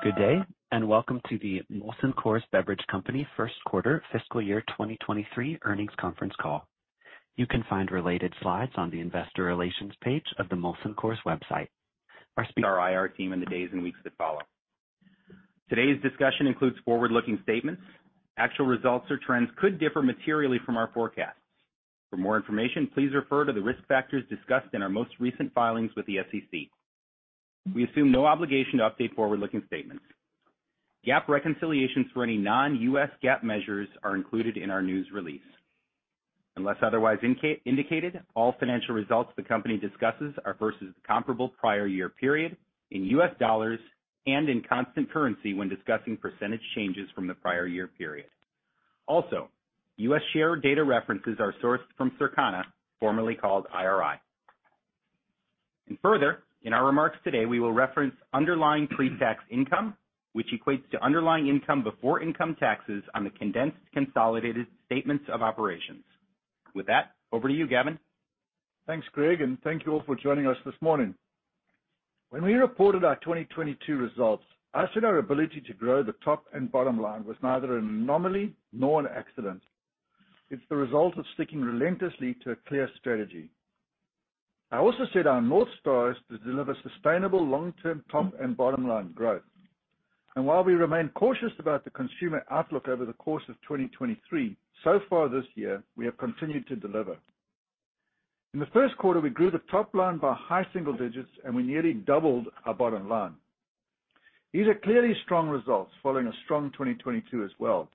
Good day. Welcome to the Molson Coors Beverage Company First Quarter Fiscal Year 2023 Earnings Conference Call. You can find related slides on the investor relations page of the Molson Coors website. Our IR team in the days and weeks that follow. Today's discussion includes forward-looking statements. Actual results or trends could differ materially from our forecasts. For more information, please refer to the risk factors discussed in our most recent filings with the SEC. We assume no obligation to update forward-looking statements. GAAP reconciliations for any non-U.S. GAAP measures are included in our news release. Unless otherwise indicated, all financial results the company discusses are versus comparable prior year period in U.S. dollars and in constant currency when discussing % changes from the prior year period. U.S. share data references are sourced from Circana, formerly called IRI. Further, in our remarks today, we will reference underlying pre-tax income, which equates to underlying income before income taxes on the condensed consolidated statements of operations. With that, over to you, Gavin. Thanks, Greg. Thank you all for joining us this morning. When we reported our 2022 results, I said our ability to grow the top and bottom line was neither an anomaly nor an accident. It's the result of sticking relentlessly to a clear strategy. I also said our North Star is to deliver sustainable long-term top and bottom line growth. While we remain cautious about the consumer outlook over the course of 2023, so far this year, we have continued to deliver. In the first quarter, we grew the top line by high single digits, and we nearly doubled our bottom line. These are clearly strong results following a strong 2022 as well.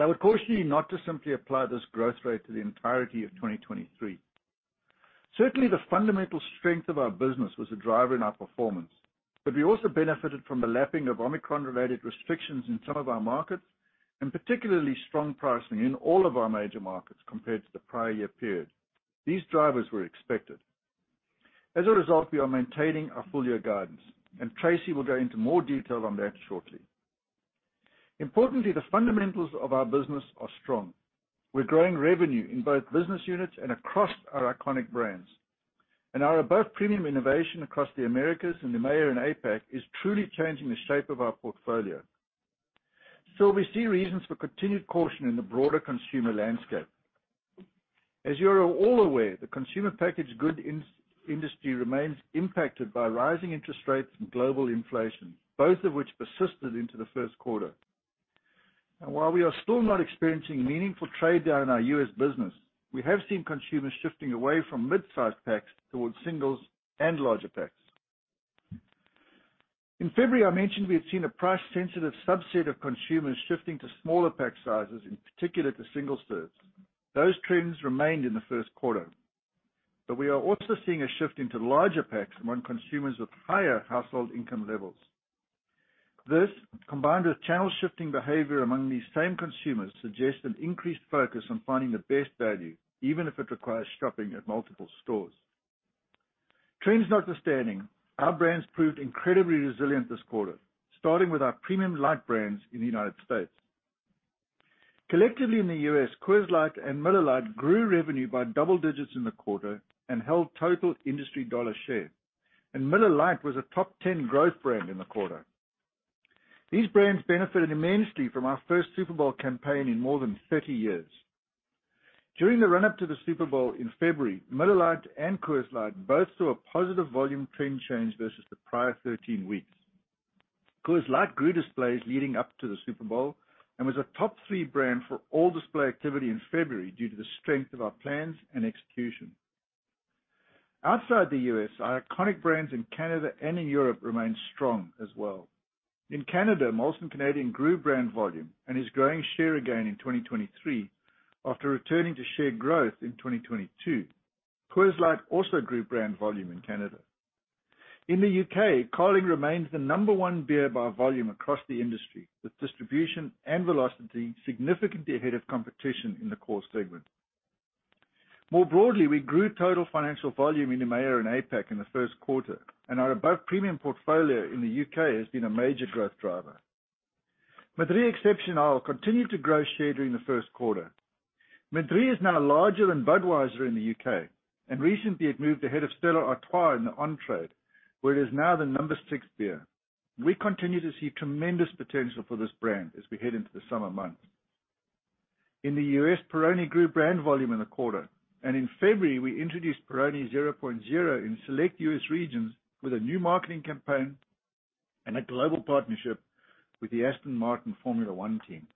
I would caution you not to simply apply this growth rate to the entirety of 2023. Certainly, the fundamental strength of our business was a driver in our performance, but we also benefited from the lapping of Omicron-related restrictions in some of our markets, and particularly strong pricing in all of our major markets compared to the prior year period. These drivers were expected. We are maintaining our full year guidance, and Tracey will go into more detail on that shortly. Importantly, the fundamentals of our business are strong. We're growing revenue in both business units and across our iconic brands. Our Above Premium innovation across the Americas and the EMEA and APAC is truly changing the shape of our portfolio. Still, we see reasons for continued caution in the broader consumer landscape. The consumer packaged goods industry remains impacted by rising interest rates and global inflation, both of which persisted into the first quarter. While we are still not experiencing meaningful trade down our U.S. business, we have seen consumers shifting away from mid-sized packs towards singles and larger packs. In February, I mentioned we had seen a price-sensitive subset of consumers shifting to smaller pack sizes, in particular to single serves. Those trends remained in the first quarter. We are also seeing a shift into larger packs among consumers with higher household income levels. This, combined with channel shifting behavior among these same consumers, suggests an increased focus on finding the best value, even if it requires shopping at multiple stores. Trends notwithstanding, our brands proved incredibly resilient this quarter, starting with our premium light brands in the United States. Collectively in the U.S., Coors Light and Miller Lite grew revenue by double digits in the quarter and held total industry dollar share. Miller Lite was a top 10 growth brand in the quarter. These brands benefited immensely from our first Super Bowl campaign in more than 30 years. During the run-up to the Super Bowl in February, Miller Lite and Coors Light both saw a positive volume trend change versus the prior 13 weeks. Coors Light grew displays leading up to the Super Bowl and was a top three brand for all display activity in February due to the strength of our plans and execution. Outside the U.S., our iconic brands in Canada and in Europe remain strong as well. In Canada, Molson Canadian grew brand volume and is growing share again in 2023 after returning to share growth in 2022. Coors Light also grew brand volume in Canada. In the U.K., Carling remains the number 1 beer by volume across the industry, with distribution and velocity significantly ahead of competition in the core segment. More broadly, we grew total financial volume in EMEA and APAC in the first quarter, and our above premium portfolio in the U.K. has been a major growth driver. Madrí Excepcional continued to grow share during the first quarter. Madrí is now larger than Budweiser in the U.K., and recently it moved ahead of Stella Artois in the on-trade, where it is now the number six beer. We continue to see tremendous potential for this brand as we head into the summer months. In the U.S., Peroni grew brand volume in the quarter, and in February, we introduced Peroni 0.0 in select U.S. regions with a new marketing campaign and a global partnership with the Aston Martin Aramco Formula One Team.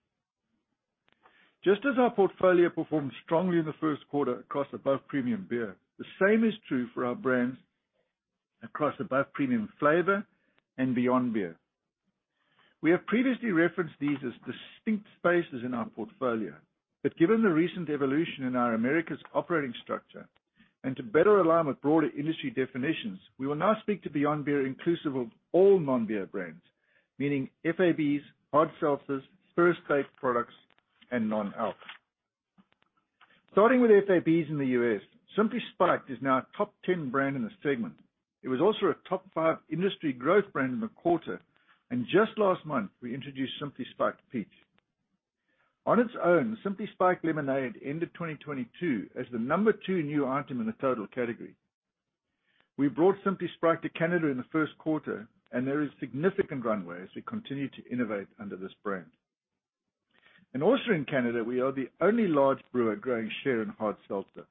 Just as our portfolio performed strongly in the first quarter across above premium beer, the same is true for our brands across above premium flavor and Beyond Beer. We have previously referenced these as distinct spaces in our portfolio, but given the recent evolution in our Americas operating structure, and to better align with broader industry definitions, we will now speak to Beyond Beer inclusive of all non-beer brands, meaning FABs, hard seltzers, first type products, and non-alc. Starting with FABs in the U.S., Simply Spiked is now a top 10 brand in this segment. It was also a top five industry growth brand in the quarter. Just last month, we introduced Simply Spiked Peach. On its own, Simply Spiked Lemonade ended 2022 as the number two new item in the total category. We brought Simply Spiked to Canada in the first quarter. There is significant runway as we continue to innovate under this brand. Also in Canada, we are the only large brewer growing share in hard seltzer.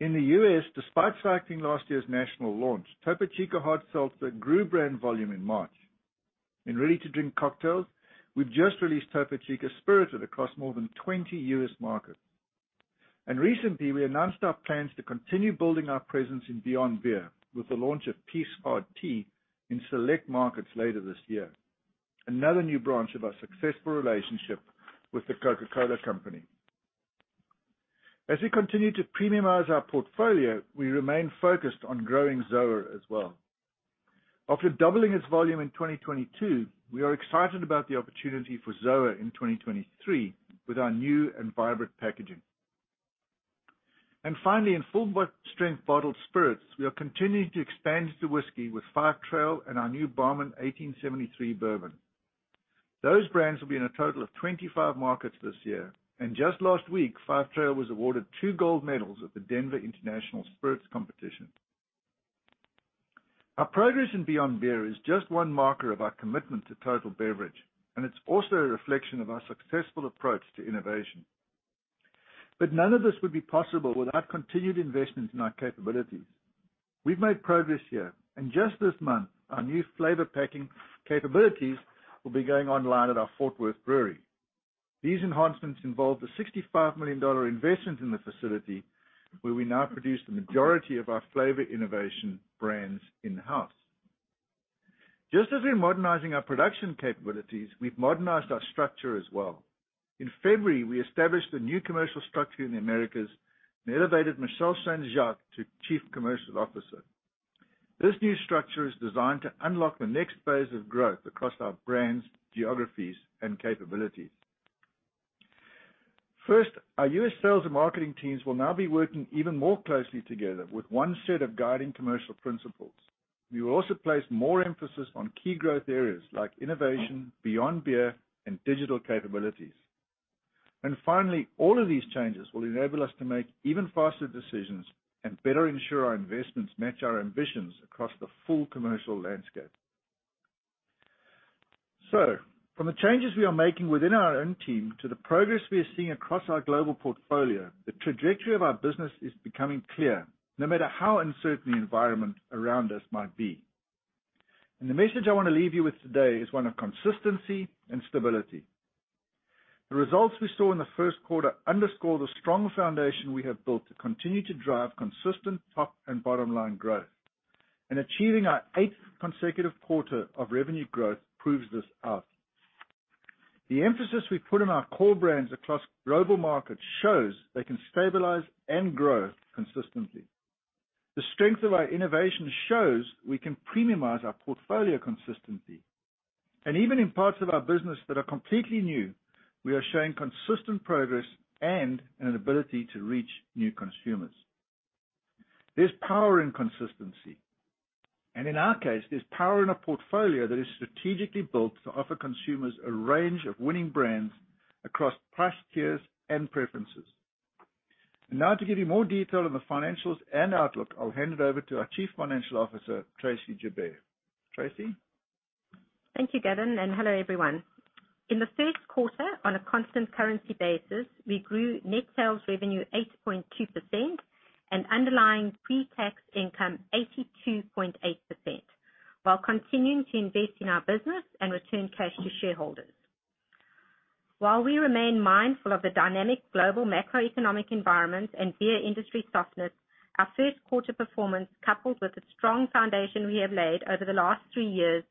In the US, despite cycling last year's national launch, Topo Chico Hard Seltzer grew brand volume in March. In ready-to-drink cocktails, we've just released Topo Chico Spirited across more than 20 US markets. Recently, we announced our plans to continue building our presence in Beyond Beer with the launch of Peace Hard Tea in select markets later this year, another new branch of our successful relationship with The Coca-Cola Company. As we continue to premiumize our portfolio, we remain focused on growing Zoa as well. After doubling its volume in 2022, we are excited about the opportunity for Zoa in 2023 with our new and vibrant packaging. Finally, in full-strength spirits, we are continuing to expand the whiskey with Five Trail and our new Barmen 1873 bourbon. Those brands will be in a total of 25 markets this year. Just last week, Five Trail was awarded 2 gold medals at the Denver International Spirits Competition. Our progress in Beyond Beer is just one marker of our commitment to total beverage. It's also a reflection of our successful approach to innovation. None of this would be possible without continued investments in our capabilities. We've made progress here. Just this month, our new flavor packing capabilities will be going online at our Fort Worth brewery. These enhancements involve the $65 million investment in the facility, where we now produce the majority of our flavor innovation brands in-house. Just as we're modernizing our production capabilities, we've modernized our structure as well. In February, we established a new commercial structure in the Americas and elevated Michelle St. Jacques to Chief Commercial Officer. This new structure is designed to unlock the next phase of growth across our brands, geographies, and capabilities. First, our U.S. sales and marketing teams will now be working even more closely together with one set of guiding commercial principles. We will also place more emphasis on key growth areas like innovation, Beyond Beer, and digital capabilities. Finally, all of these changes will enable us to make even faster decisions and better ensure our investments match our ambitions across the full commercial landscape. From the changes we are making within our own team to the progress we are seeing across our global portfolio, the trajectory of our business is becoming clear, no matter how uncertain the environment around us might be. The message I want to leave you with today is one of consistency and stability. The results we saw in the first quarter underscore the strong foundation we have built to continue to drive consistent top and bottom line growth. Achieving our eighth consecutive quarter of revenue growth proves this out. The emphasis we put on our core brands across global markets shows they can stabilize and grow consistently. The strength of our innovation shows we can premiumize our portfolio consistently. Even in parts of our business that are completely new, we are showing consistent progress and an ability to reach new consumers. There's power in consistency. In our case, there's power in a portfolio that is strategically built to offer consumers a range of winning brands across price tiers and preferences. Now to give you more detail on the financials and outlook, I'll hand it over to our Chief Financial Officer, Tracey Joubert. Tracey? Thank you, Gavin. Hello, everyone. In the first quarter, on a constant currency basis, we grew net sales revenue 8.2% and underlying pre-tax income 82.8% while continuing to invest in our business and return cash to shareholders. While we remain mindful of the dynamic global macroeconomic environment and beer industry sofness, our first quarter performance, coupled with the strong foundation we have laid over the last 3 years,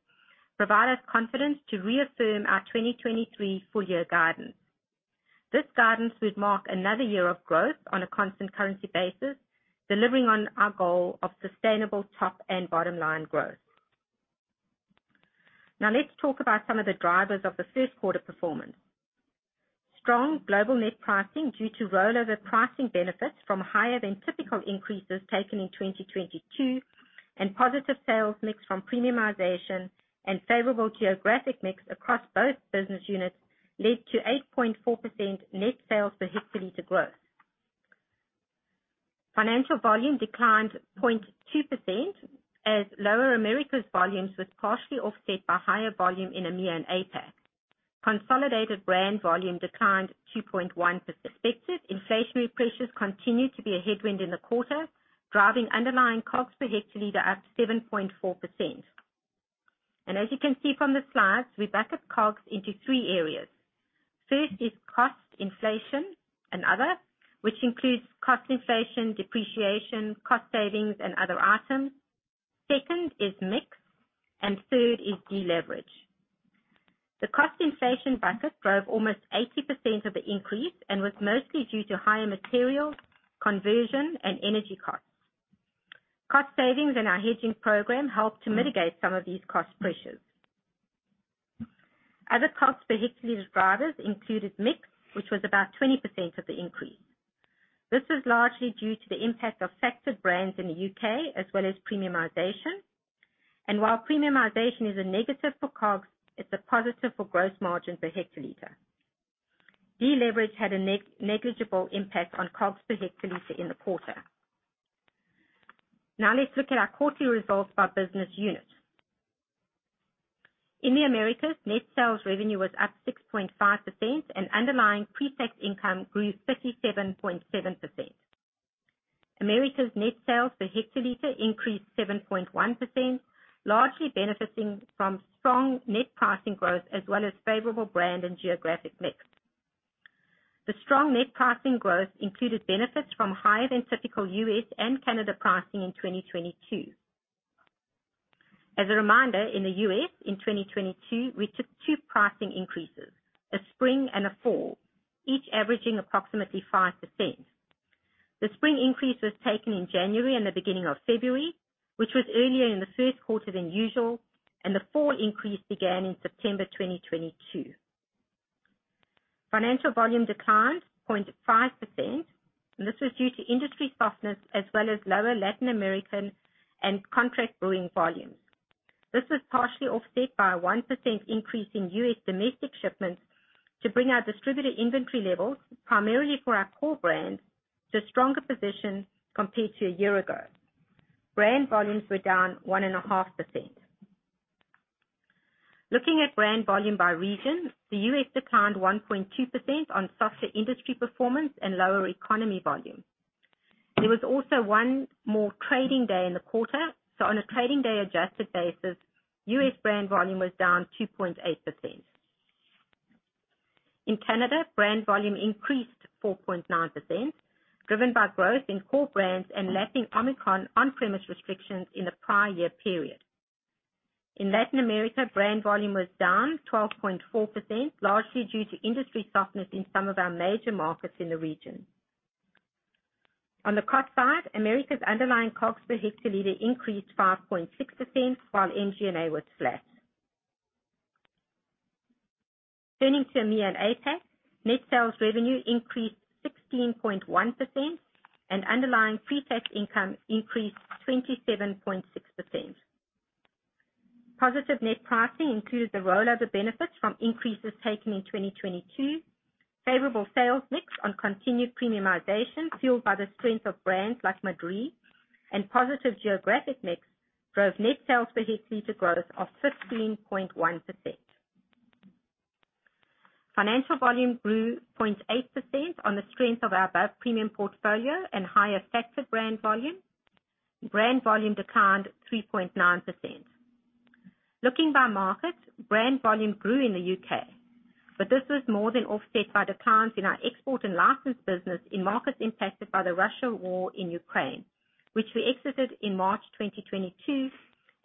provide us confidence to reaffirm our 2023 full year guidance. This guidance would mark another year of growth on a constant currency basis, delivering on our goal of sustainable top and bottom line growth. Now, let's talk about some of the drivers of the first quarter performance. Strong global net pricing due to rollover pricing benefits from higher than typical increases taken in 2022 and positive sales mix from premiumization and favorable geographic mix across both business units led to 8.4% net sales per hectoliter growth. Financial volume declined 0.2% as lower Americas volumes was partially offset by higher volume in EMEA and APAC. Consolidated brand volume declined 2.1% expected. Inflationary pressures continued to be a headwind in the quarter, driving underlying costs per hectoliter up to 7.4%. As you can see from the slides, we bucket COGS into three areas. First is cost inflation and other, which includes cost inflation, depreciation, cost savings, and other items. Second is mix, and third is deleverage. The cost inflation bucket drove almost 80% of the increase and was mostly due to higher materials, conversion, and energy costs. Cost savings in our hedging program helped to mitigate some of these cost pressures. Other costs per hectoliter drivers included mix, which was about 20% of the increase. This is largely due to the impact of factored brands in the U.K. as well as premiumization. While premiumization is a negative for COGS, it's a positive for gross margin per hectoliter. Deleveraged had a negligible impact on COGS per hectoliter in the quarter. Let's look at our quarterly results by business unit. In the Americas, net sales revenue was up 6.5% and underlying pre-tax income grew 57.7%. Americas net sales per hectoliter increased 7.1%, largely benefiting from strong net pricing growth as well as favorable brand and geographic mix. The strong net pricing growth included benefits from higher than typical U.S. and Canada pricing in 2022. As a reminder, in the U.S. in 2022, we took two pricing increases, a spring and a fall, each averaging approximately 5%. The spring increase was taken in January and the beginning of February, which was earlier in the first quarter than usual. The fall increase began in September 2022. Financial volume declined 0.5%. This was due to industry softness as well as lower Latin American and contract brewing volumes. This was partially offset by a 1% increase in U.S. domestic shipments to bring our distributor inventory levels, primarily for our core brands, to a stronger position compared to a year ago. Brand volumes were down 1.5%. Looking at brand volume by region, the U.S. declined 1.2% on softer industry performance and lower economy volume. There was also one more trading day in the quarter, on a trading day adjusted basis, U.S. brand volume was down 2.8%. In Canada, brand volume increased 4.9%, driven by growth in core brands and lapping Omicron on-premise restrictions in the prior year period. In Latin America, brand volume was down 12.4%, largely due to industry softness in some of our major markets in the region. On the cost side, Americas underlying COGS per hectare liter increased 5.6%, while MG&A was flat. Turning to EMEA and APAC, net sales revenue increased 16.1% and underlying pre-tax income increased 27.6%. Positive net pricing included the rollover benefits from increases taken in 2022. Favorable sales mix on continued premiumization, fueled by the strength of brands like Madrí and positive geographic mix, drove net sales per hectare liter growth of 15.1%. Financial volume grew 0.8% on the strength of our above premium portfolio and higher factor brand volume. Brand volume declined 3.9%. Looking by market, brand volume grew in the U.K. This was more than offset by declines in our export and license business in markets impacted by the Russia war in Ukraine, which we exited in March 2022,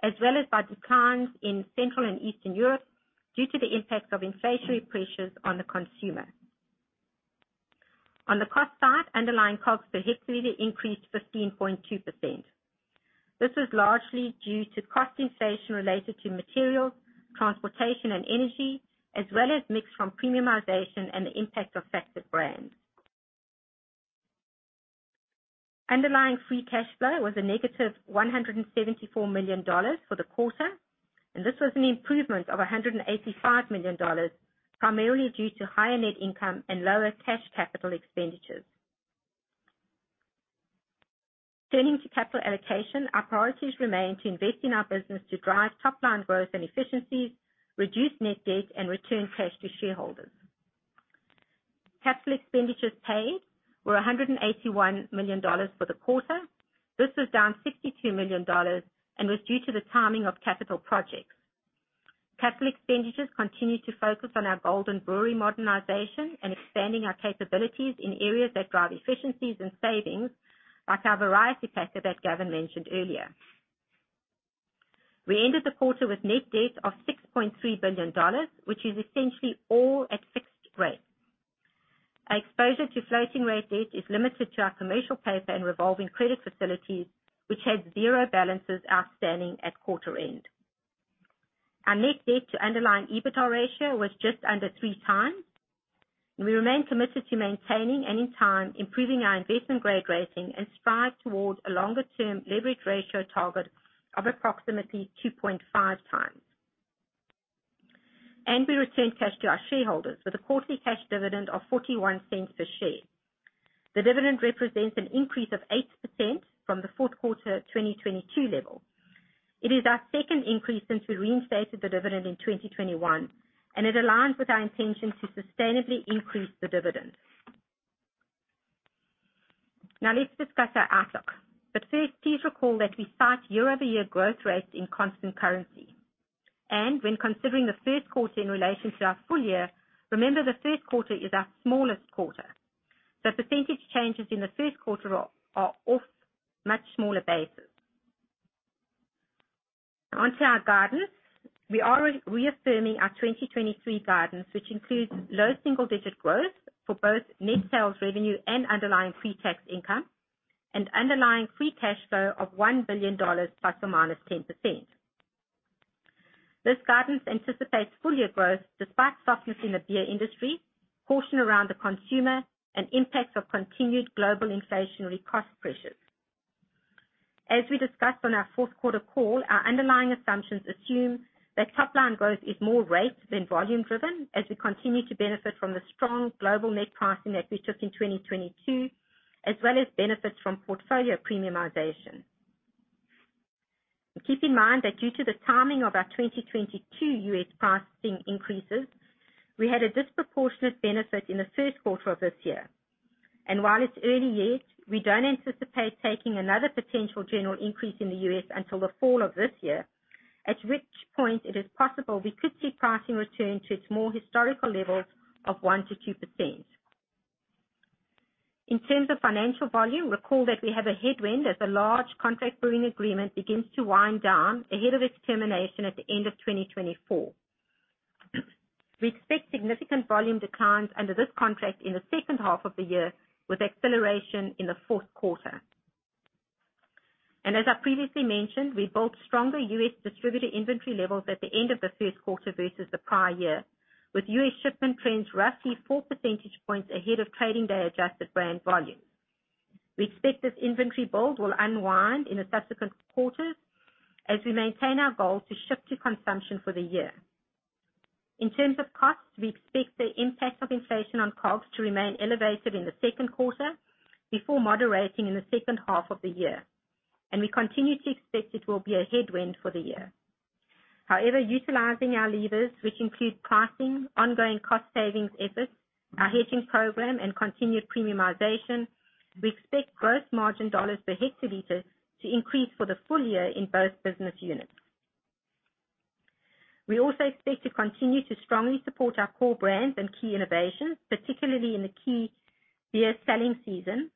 as well as by declines in Central and Eastern Europe due to the impact of inflationary pressures on the consumer. On the cost side, underlying COGS per hectoliter increased 15.2%. This was largely due to cost inflation related to materials, transportation and energy, as well as mix from premiumization and the impact of factored brands. Underlying free cash flow was a negative $174 million for the quarter. This was an improvement of $185 million, primarily due to higher net income and lower cash capital expenditures. Turning to capital allocation, our priorities remain to invest in our business to drive top line growth and efficiencies, reduce net debt, and return cash to shareholders. Capital expenditures paid were $181 million for the quarter. This was down $62 million and was due to the timing of capital projects. Capital expenditures continue to focus on our Golden brewery modernization and expanding our capabilities in areas that drive efficiencies and savings like our variety pack that Gavin mentioned earlier. We ended the quarter with net debt of $6.3 billion, which is essentially all at fixed rate. Our exposure to floating rate debt is limited to our commercial paper and revolving credit facilities, which had zero balances outstanding at quarter end. Our net debt to underlying EBITDA ratio was just under three times. We remain committed to maintaining and in time improving our investment grade rating and strive towards a longer term leverage ratio target of approximately 2.5 times. We return cash to our shareholders with a quarterly cash dividend of $0.41 per share. The dividend represents an increase of 8% from the fourth quarter 2022 level. It is our second increase since we reinstated the dividend in 2021, and it aligns with our intention to sustainably increase the dividend. Let's discuss our outlook. First, please recall that we cite year-over-year growth rates in constant currency. When considering the first quarter in relation to our full year, remember the first quarter is our smallest quarter. The percentage changes in the first quarter are off much smaller bases. Onto our guidance. We are reaffirming our 2023 guidance, which includes low single-digit growth for both net sales revenue and underlying pre-tax income and underlying free cash flow of $1 billion ±10%. This guidance anticipates full year growth despite softness in the beer industry, caution around the consumer and impacts of continued global inflationary cost pressures. As we discussed on our fourth quarter call, our underlying assumptions assume that top-line growth is more rate than volume driven as we continue to benefit from the strong global net pricing that we took in 2022, as well as benefits from portfolio premiumization. Keep in mind that due to the timing of our 2022 U.S. pricing increases, we had a disproportionate benefit in the first quarter of this year. While it's early yet, we don't anticipate taking another potential general increase in the U.S. until the fall of this year, at which point it is possible we could see pricing return to its more historical levels of 1%-2%. In terms of financial volume, recall that we have a headwind as a large contract brewing agreement begins to wind down ahead of its termination at the end of 2024. We expect significant volume declines under this contract in the second half of the year, with acceleration in the fourth quarter. As I previously mentioned, we built stronger U.S. distributor inventory levels at the end of the first quarter versus the prior year, with U.S. shipment trends roughly 4% points ahead of trading day adjusted brand volume. We expect this inventory build will unwind in the subsequent quarters as we maintain our goal to ship to consumption for the year. In terms of costs, we expect the impact of inflation on COGS to remain elevated in the second quarter before moderating in the second half of the year. We continue to expect it will be a headwind for the year. However, utilizing our levers, which include pricing, ongoing cost savings efforts, our hedging program and continued premiumization, we expect gross margin dollars per hectoliter to increase for the full year in both business units. We also expect to continue to strongly support our core brands and key innovations, particularly in the key beer selling season.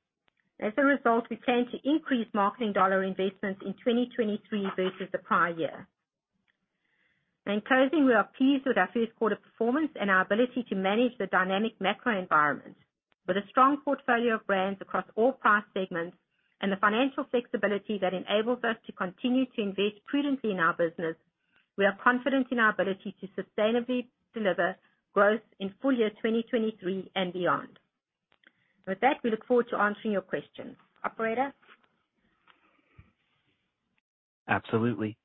As a result, we plan to increase marketing dollar investments in 2023 versus the prior year. In closing, we are pleased with our first quarter performance and our ability to manage the dynamic macro environment. With a strong portfolio of brands across all price segments and the financial flexibility that enables us to continue to invest prudently in our business, we are confident in our ability to sustainably deliver growth in full year 2023 and beyond. With that, we look forward to answering your questions. Operator? Absolutely.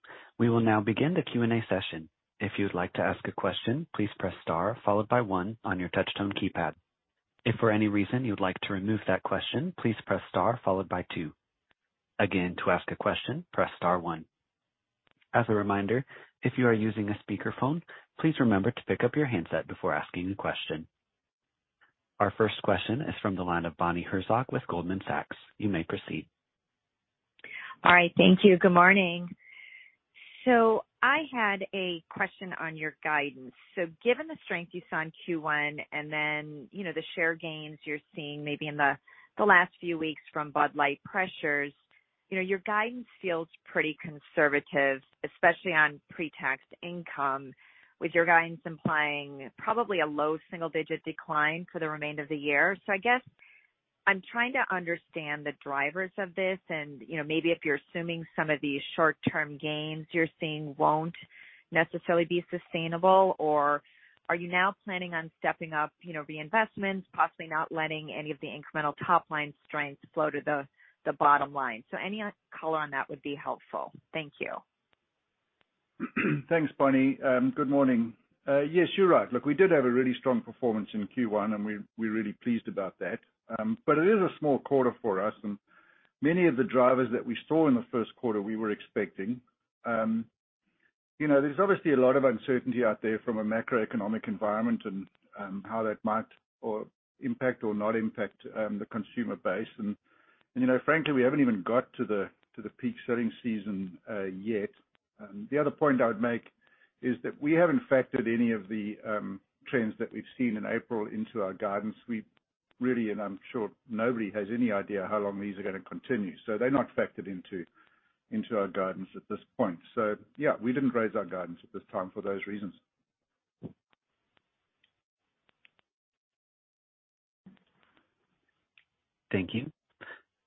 We will now begin the Q&A session. If you'd like to ask a question, please press star followed by one on your touch tone keypad. If for any reason you'd like to remove that question, please press star followed by two. Again, to ask a question, press star one. As a reminder, if you are using a speakerphone, please remember to pick up your handset before asking a question. Our first question is from the line of. You may proceed. All right. Thank you. Good morning. I had a question on your guidance. Given the strength you saw in Q1 and then, you know, the share gains you're seeing maybe in the last few weeks from Bud Light pressures, you know, your guidance feels pretty conservative, especially on pre-tax income, with your guidance implying probably a low single-digit decline for the remainder of the year. I guess I'm trying to understand the drivers of this and, you know, maybe if you're assuming some of these short-term gains you're seeing won't necessarily be sustainable, or are you now planning on stepping up, you know, reinvestments, possibly not letting any of the incremental top line strengths flow to the bottom line? Any color on that would be helpful. Thank you. Thanks, Bonnie. Good morning. Yes, you're right. Look, we did have a really strong performance in Q1, and we're really pleased about that. It is a small quarter for us and many of the drivers that we saw in the first quarter we were expecting. You know, there's obviously a lot of uncertainty out there from a macroeconomic environment and how that might or impact or not impact the consumer base. You know, frankly, we haven't even got to the peak selling season yet. The other point I would make is that we haven't factored any of the trends that we've seen in April into our guidance. We really, I'm sure nobody has any idea how long these are gonna continue, so they're not factored into our guidance at this point. Yeah, we didn't raise our guidance at this time for those reasons. Thank you.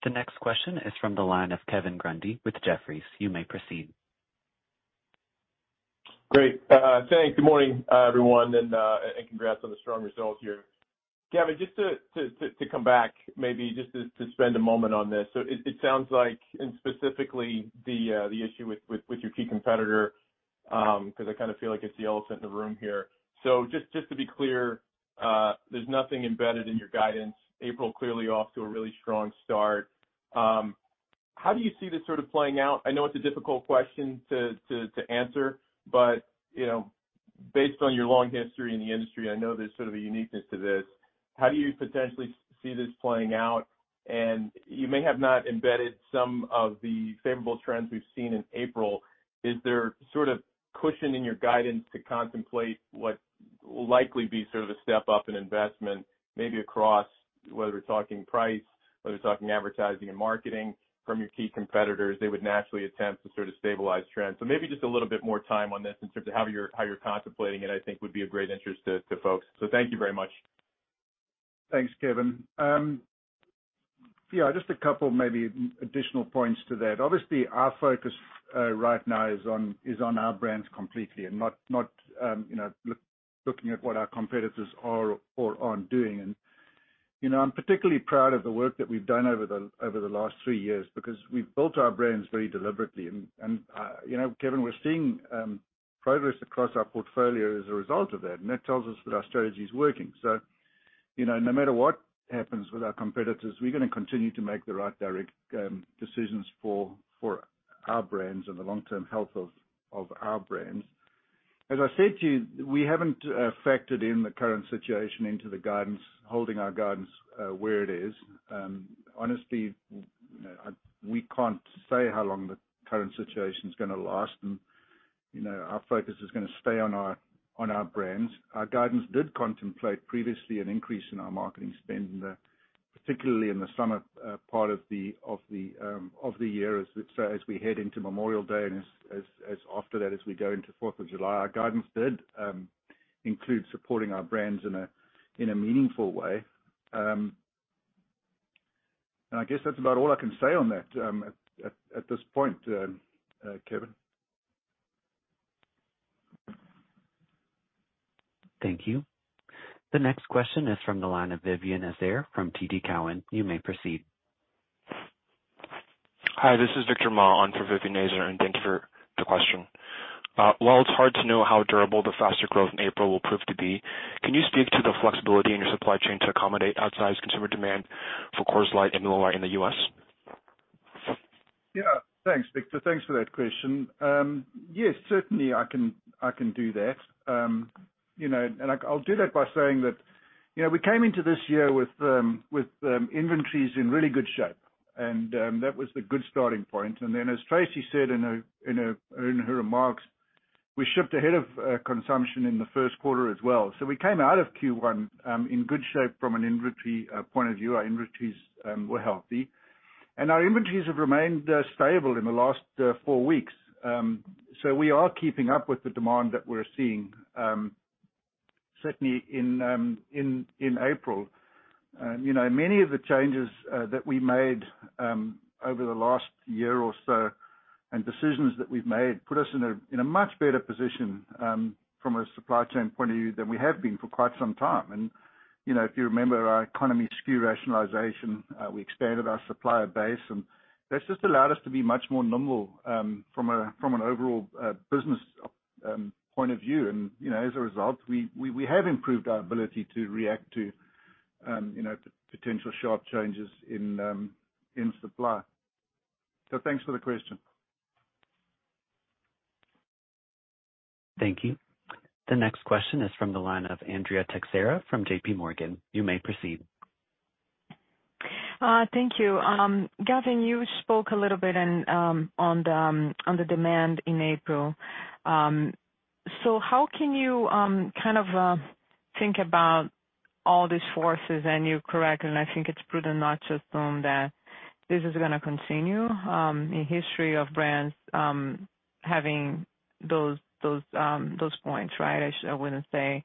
The next question is from the line of Kevin Grundy with Jefferies. You may proceed. Great. Thanks. Good morning, everyone, and congrats on the strong results here. Gavin, just to come back, maybe just to spend a moment on this. It sounds like, and specifically the issue with your key competitor, 'cause I kinda feel like it's the elephant in the room here. Just to be clear, there's nothing embedded in your guidance. April clearly off to a really strong start. How do you see this sort of playing out? I know it's a difficult question to answer, but, you know, based on your long history in the industry, I know there's sort of a uniqueness to this. How do you potentially see this playing out? You may have not embedded some of the favorable trends we've seen in April. Is there sort of cushion in your guidance to contemplate what will likely be sort of a step up in investment, maybe across, whether we're talking price, whether we're talking advertising and marketing from your key competitors, they would naturally attempt to sort of stabilize trends? Maybe just a little bit more time on this in terms of how you're, how you're contemplating it, I think would be of great interest to folks. Thank you very much. Thanks, Kevin. Yeah, just a couple maybe additional points to that. Obviously, our focus right now is on our brands completely and not, you know, looking at what our competitors are or aren't doing. You know, I'm particularly proud of the work that we've done over the last 3 years because we've built our brands very deliberately. You know, Kevin, we're seeing progress across our portfolio as a result of that, and that tells us that our strategy is working. You know, no matter what happens with our competitors, we're gonna continue to make the right direct decisions for our brands and the long-term health of our brands. As I said to you, we haven't factored in the current situation into the guidance, holding our guidance where it is. Honestly, you know, we can't say how long the current situation is gonna last and, you know, our focus is gonna stay on our brands. Our guidance did contemplate previously an increase in our marketing spend, particularly in the summer, part of the year as we head into Memorial Day and as after that, as we go into Fourth of July. Our guidance did include supporting our brands in a meaningful way. I guess that's about all I can say on that, at this point, Kevin. Thank you. The next question is from the line of Vivien Azer from TD Cowen. You may proceed. Hi, this is Victor Ma on for Vivien Azer, and thank you for the question. While it's hard to know how durable the faster growth in April will prove to be, can you speak to the flexibility in your supply chain to accommodate outsized consumer demand for Coors Light and Miller Lite in the U.S.? Yeah. Thanks, Victor. Thanks for that question. Yes, certainly I can do that. You know, and I'll do that by saying that, you know, we came into this year with inventories in really good shape, that was the good starting point. Then as Tracey said in her remarks, we shipped ahead of consumption in the first quarter as well. We came out of Q1 in good shape from an inventory point of view. Our inventories were healthy. Our inventories have remained stable in the last four weeks. We are keeping up with the demand that we're seeing certainly in April. Many of the changes that we made over the last year or so and decisions that we've made put us in a much better position from a supply chain point of view than we have been for quite somtime. you know, if you remember our economy SKU rationalization, we expanded our supplier base, and that's just allowed us to be much more nimble from an overall business point of view. you know, as a result, we have improved our ability to react to, you know, potential sharp changes in supply. Thanks for the question. Thank you. The next question is from the line of Andrea Teixeira from J.P. Morgan. You may proceed. Thank you. Gavin, you spoke a little bit in on the on the demand in April. How can you kind of think about all these forces? You're correct, and I think it's prudent not to assume that this is gonna continue in history of brands having those points, right? I wouldn't say,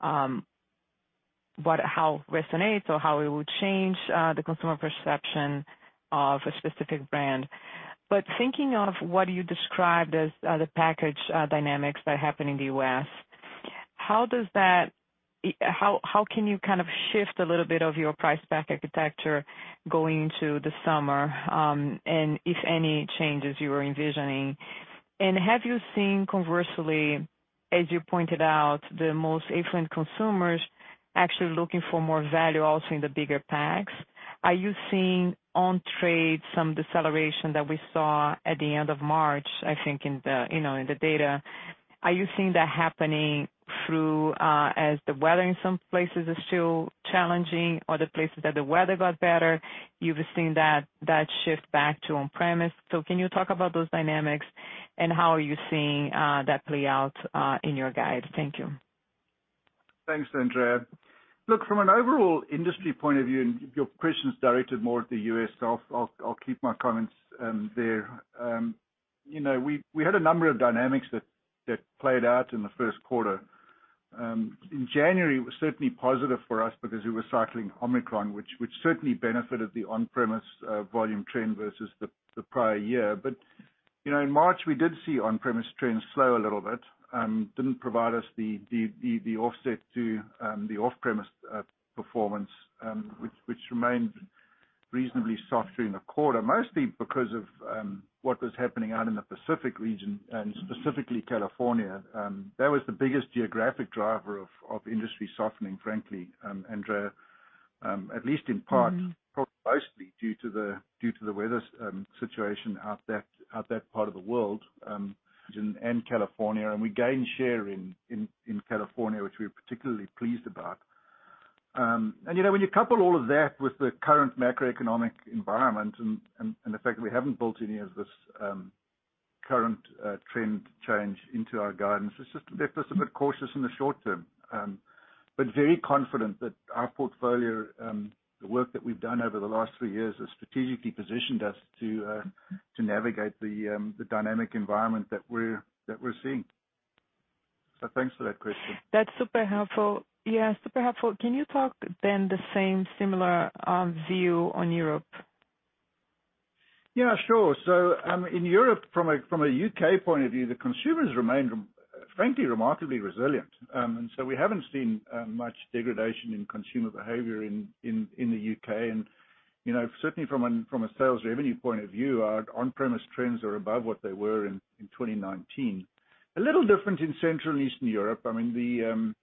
but how it resonates or how it would change the consumer perception of a specific brand. Thinking of what you described as the package dynamics that happen in the U.S., how can you kind of shift a little bit of your price pack architecture going into the summer, and if any changes you were envisioning? Have you seen conversely, as you pointed out, the most affluent consumers actually looking for more value also in the bigger packs? Are you seeing on trade some deceleration that we saw at the end of March, I think in the, you know, in the data? Are you seeing that happening through, as the weather in some places is still challenging or the places that the weather got better, you've seen that shift back to on-premise? Can you talk about those dynamics and how are you seeing, that play out, in your guide? Thank you. Thanks, Andrea. Look, from an overall industry point of view, your question is directed more at the U.S., so I'll keep my comments there. You know, we had a number of dynamics that played out in the first quarter. In January, it was certainly positive for us because we were cycling Omicron, which certainly benefited the on-premise volume trend versus the prior year. You know, in March, we did see on-premise trends slow a little bit, didn't provide us the offset to the off-premise performance, which remained reasonably soft during the quarter, mostly because of what was happening out in the Pacific region and specifically California. That was the biggest geographic driver of industry softening, frankly, Andrea, at least in part, probably mostly due to the weather situation out that part of the world, and California. We gained share in California, which we're particularly pleased about. You know, when you couple all of that with the current macroeconomic environment and the fact that we haven't built any of this current trend change into our guidance, it's just left us a bit cautious in the short term. Very confident that our portfolio, the work that we've done over the last three years has strategically positioned us to navigate the dynamic environment that we're seeing. Thanks for that question. That's super helpful. Yeah, super helpful. Can you talk then the same similar view on Europe? In Europe, from a U.K. point of view, the consumers remain frankly, remarkably resilient. We haven't seen much degradation in consumer behavior in the U.K.. You know, certainly from a sales revenue point of view, our on-premise trends are above what they were in 2019. A little different in Central and Eastern Europe. I mean,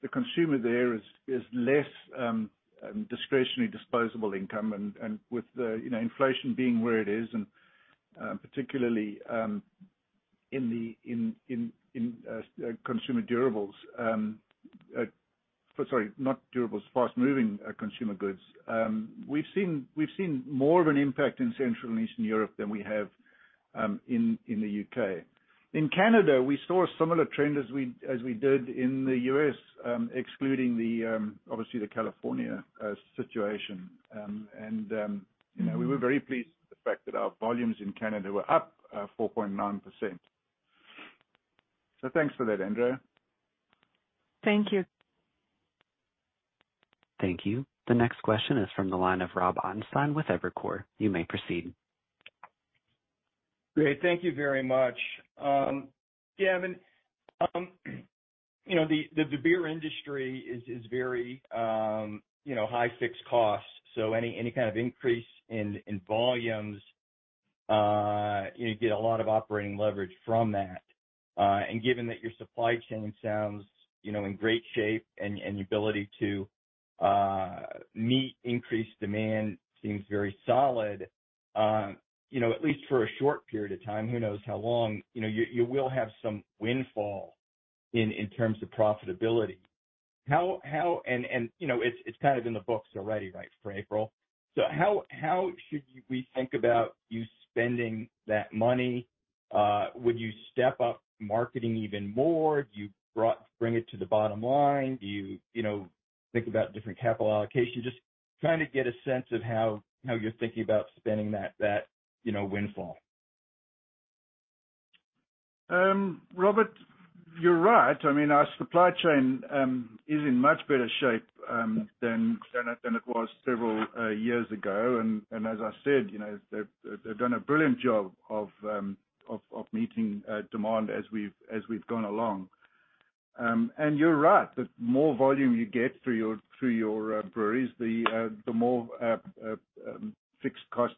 the consumer there is less discretionary disposable income and with the, you know, inflation being where it is and particularly in consumer durables, sorry, not durables, fast-moving consumer goods. We've seen more of an impact in Central and Eastern Europe than we have in the U.K.. In Canada, we saw a similar trend as we did in the U.S., excluding the obviously the California situation. You know, we were very pleased with the fact that our volumes in Canada were up 4.9%. Thanks for that, Andrea. Thank you. Thank you. The next question is from the line of Rob Ottenstein with Evercore. You may proceed. Great. Thank you very much. Gavin, you know, the beer industry is very, you know, high fixed cost. Any kind of increase in volumes, you get a lot of operating leverage from that. Given that your supply chain sounds, you know, in great shape and your ability to meet increased demand seems very solid, you know, at least for a short period of time, who knows how long, you know, you will have some windfall in terms of profitability. How, and, you know, it's kind of in the books already, right, for April. How should we think about you spending that money? Would you step up marketing even more? Do you bring it to the bottom line? Do you know, think about different capital allocation? Just trying to get a sense of how you're thinking about spending that, you know, windfall. Robert, you're right. I mean, our supply chain is in much better shape than it was several years ago. As I said, you know, they've done a brilliant job of meeting demand as we've gone along. You're right, the more volume you get through your breweries, the more fixed cost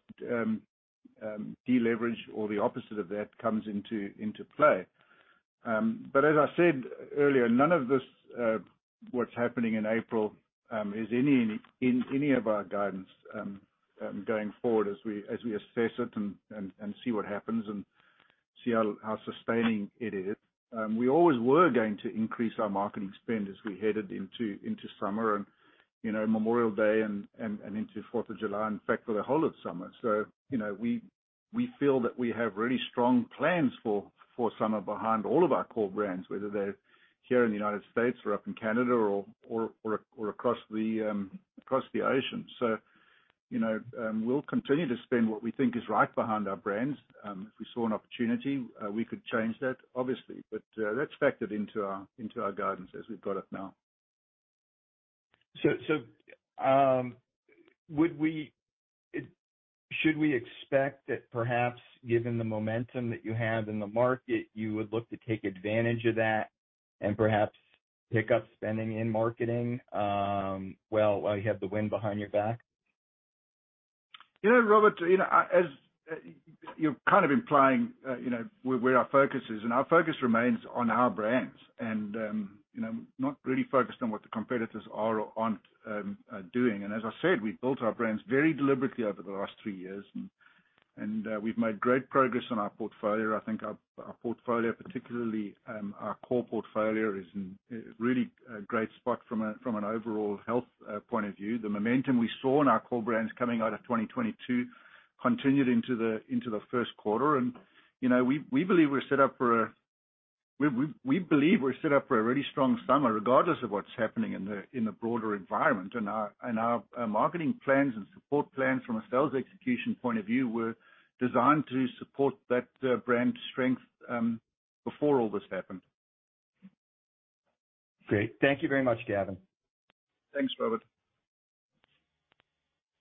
deleverage or the opposite of that comes into play. As I said earlier, none of this, what's happening in April, is any, in any of our guidance going forward as we assess it and see what happens and see how sustaining it is. We always were going to increase our marketing spend as we headed into summer and, you know, Memorial Day and into Fourth of July, in fact, for the whole of summer. You know, we feel that we have really strong plans for summer behind all of our core brands, whether they're here in the United States or up in Canada or across the ocean. You know, we'll continue to spend what we think is right behind our brands. If we saw an opportunity, we could change that, obviously. That's factored into our guidance as we've got it now. Should we expect that perhaps, given the momentum that you have in the market, you would look to take advantage of that and perhaps pick up spending in marketing, while you have the wind behind your back? You know, Robert, you know, as you're kind of implying, you know, where our focus is, and our focus remains on our brands and, you know, not really focused on what the competitors are or aren't doing. As I said, we've built our brands very deliberately over the last three years. We've made great progress on our portfolio. I think our portfolio, particularly, our core portfolio, is in really a great spot from an overall health point of view. The momentum we saw in our core brands coming out of 2022 continued into the first quarter. You know, we believe we're set up for a really strong summer, regardless of what's happening in the broader environment. Our marketing plans and support plans from a sales execution point of view were designed to support that brand strength before all this happened. Great. Thank you very much, Gavin. Thanks, Robert.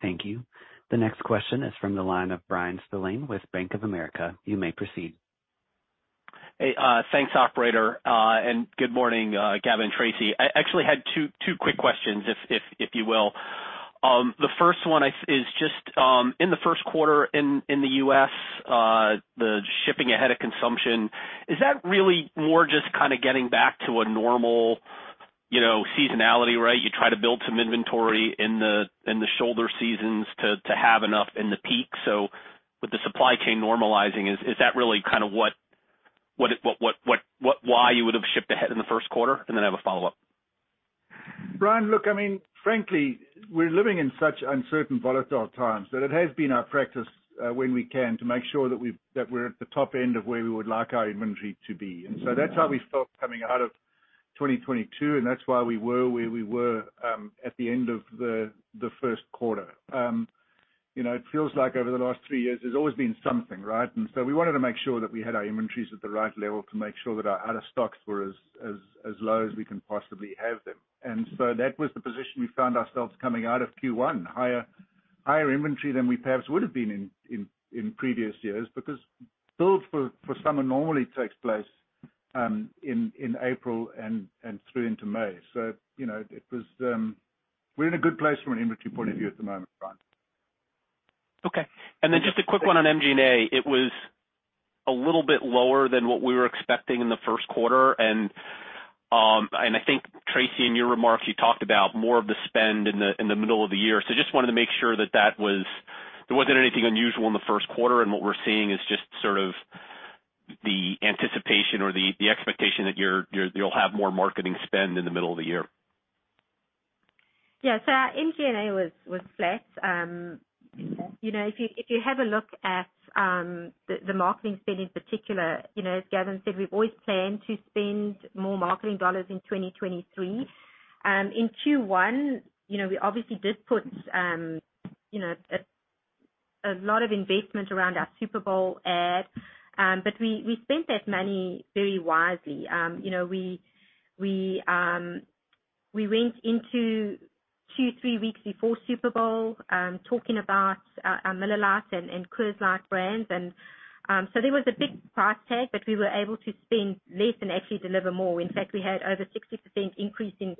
Thank you. The next question is from the line of Bryan Spillane with Bank of America. You may proceed. Hey, thanks, operator. Good morning, Gavin, Tracey. I actually had two quick questions, if you will. The first one is just in the first quarter in the U.S., the shipping ahead of consumption, is that really more just kinda getting back to a normal, you know, seasonality, right? You try to build some inventory in the shoulder seasons to have enough in the peak. With the supply chain normalizing, is that really kinda what it, why you would have shipped ahead in the first quarter? Then I have a follow-up. Bryan, look, I mean, frankly, we're living in such uncertain, volatile times that it has been our practice when we can to make sure that we're at the top end of where we would like our inventory to be. That's how we felt coming out of 2022, and that's why we were where we were at the end of the first quarter. You know, it feels like over the last three years there's always been something, right? We wanted to make sure that we had our inventories at the right level to make sure that our out of stocks were as low as we can possibly have them. That was the position we found ourselves coming out of Q1. Higher inventory than we perhaps would have been in previous years because build for summer normally takes place, in April and through into May. You know, it was. We're in a good place from an inventory point of view at the moment, Bryan. Okay. Just a quick one on MG&A. It was a little bit lower than what we were expecting in the first quarter. I think, Tracey, in your remarks, you talked about more of the spend in the middle of the year. Just wanted to make sure that was. There wasn't anything unusual in the first quarter, and what we're seeing is just sort of the anticipation or the expectation that you'll have more marketing spend in the middle of the year. Yeah. Our MG&A was flat. You know, if you, if you have a look at the marketing spend in particular, you know, as Gavin said, we've always planned to spend more marketing dollars in 2023. In Q1, you know, we obviously did put, you know, a lot of investment around our Super Bowl ad, we spent that money very wisely. You know, we went into two, three weeks before Super Bowl, talking about our Miller Lite and Coors Light brands. There was a big price tag, we were able to spend less and actually deliver more. In fact, we had over 60% increase in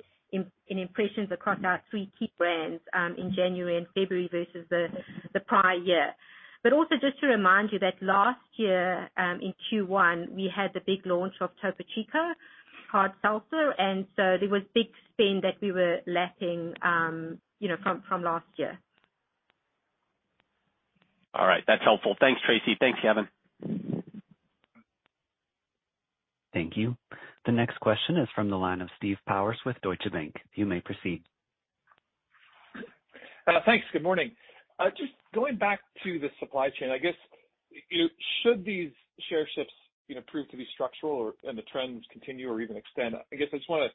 impressions across our 3 key brands in January and February versus the prior year. Also just to remind you that last year, in Q1, we had the big launch of Topo Chico Hard Seltzer, and so there was big spend that we were lapping, you know, from last year. All right. That's helpful. Thanks, Tracey. Thanks, Gavin. Thank you. The next question is from the line of Steve Powers with Deutsche Bank. You may proceed. Thanks. Good morning. Just going back to the supply chain, I guess, you know, should these share shifts, you know, prove to be structural or, and the trends continue or even extend? I guess I just wanna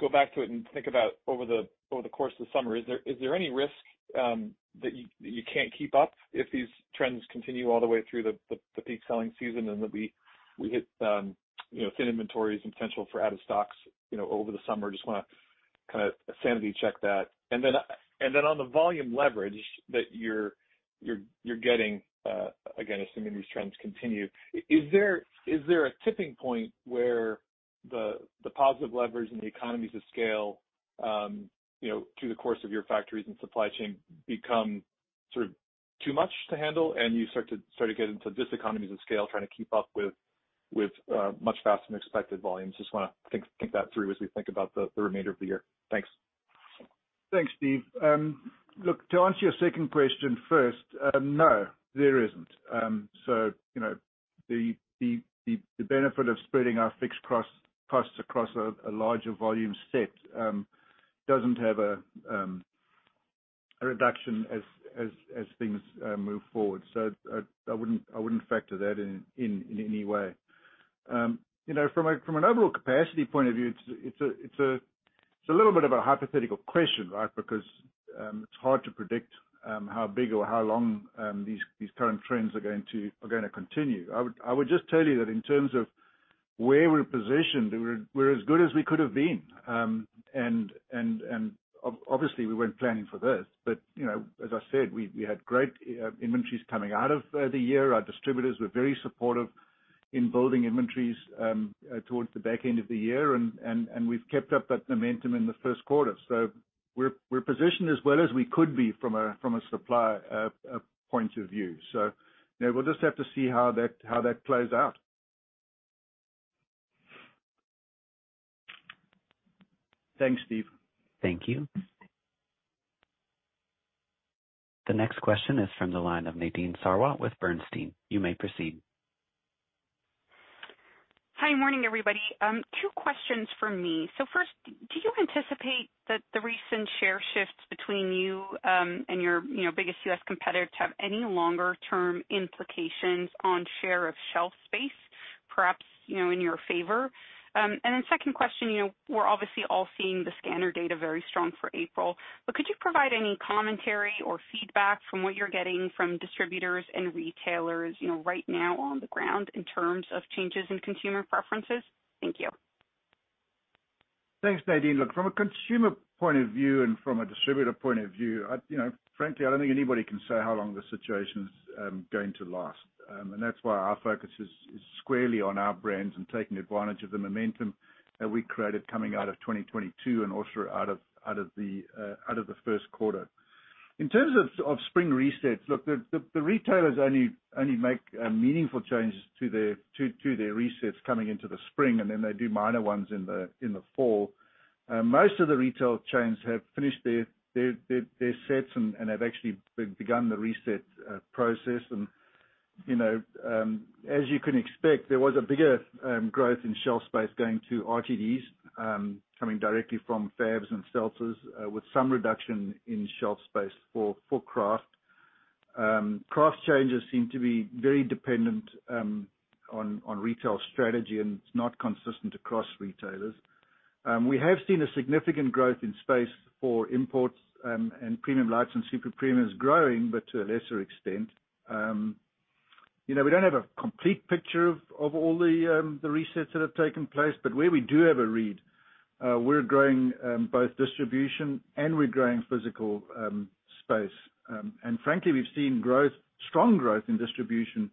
go back to it and think about over the course of the summer, is there any risk that you can't keep up if these trends continue all the way through the peak selling season and that we hit, you know, thin inventories and potential for out of stocks, you know, over the summer? Just wanna kinda sanity check that. Then on the volume leverage that you're getting, again, assuming these trends continue, is there a tipping point where the positive leverage and the economies of scale, you know, through the course of your factories and supply chain become sort of too much to handle and you start to get into diseconomies of scale trying to keep up with much faster than expected volumes? Just wanna think that through as we think about the remainder of the year. Thanks. Thanks, Steve. Look, to answer your second question first, no, there isn't. You know, the benefit of spreading our fixed costs across a larger volume set, doesn't have a reduction as things move forward. I wouldn't factor that in any way. You know, from an overall capacity point of view, it's a little bit of a hypothetical question, right? Because it's hard to predict how big or how long these current trends are gonna continue. I would just tell you that in terms of where we're positioned, we're as good as we could have been. Obviously, we weren't planning for this, but, you know, as I said, we had great inventories coming out of the year. Our distributors were very supportive in building inventories towards the back end of the year, we've kept up that momentum in the first quarter. We're positioned as well as we could be from a supply point of view. You know, we'll just have to see how that plays out. Thanks, Steve. Thank you. The next question is from the line of Nadine Sarwat with Bernstein. You may proceed. Hi. Morning, everybody. Two questions from me. First, do you anticipate that the recent share shifts between you, and your, you know, biggest U.S. competitor to have any longer term implications on share of shelf space, perhaps, you know, in your favor? Second question, you know, we're obviously all seeing the scanner data very strong for April, but could you provide any commentary or feedback from what you're getting from distributors and retailers, you know, right now on the ground in terms of changes in consumer preferences? Thank you. Thanks, Nadine. Look, from a consumer point of view and from a distributor point of view, you know, frankly, I don't think anybody can say how long this situation is going to last. That's why our focus is squarely on our brands and taking advantage of the momentum that we created coming out of 2022 and also out of the first quarter. In terms of spring resets, look, the retailers only make meaningful changes to their resets coming into the spring, they do minor ones in the fall. Most of the retail chains have finished their sets and have actually begun the reset process. You know, as you can expect, there was a bigger growth in shelf space going to RTDs, coming directly from FABs and seltzers, with some reduction in shelf space for craft. Craft changes seem to be very dependent on retail strategy, and it's not consistent across retailers. We have seen a significant growth in space for imports, and premium lights and super premiums growing, but to a lesser extent. You know, we don't have a complete picture of all the resets that have taken place, but where we do have a read, we're growing both distribution and we're growing physical space. Frankly, we've seen growth, strong growth in distribution,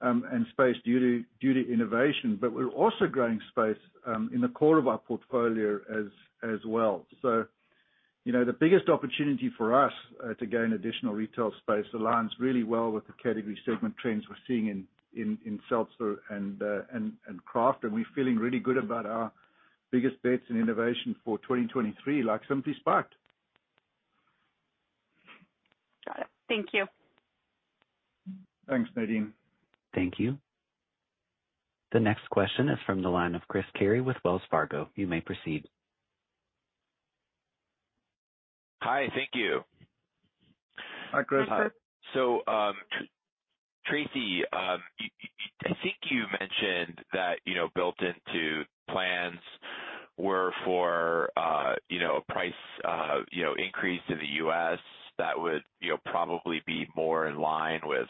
and space due to innovation. We're also growing space in the core of our portfolio as well. You know, the biggest opportunity for us to gain additional retail space aligns really well with the category segment trends we're seeing in seltzer and craft. We're feeling really good about our biggest bets in innovation for 2023, like Simply Spiked. Got it. Thank you. Thanks, Nadine. Thank you. The next question is from the line of Chris Carey with Wells Fargo. You may proceed. Hi. Thank you. Hi, Chris. Tracey, I think you mentioned that, you know, built into plans were for, you know, a price, you know, increase in the U.S. that would, you know, probably be more in line with,